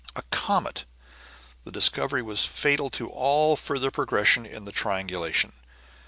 A comet! The discovery was fatal to all further progress in the triangulation.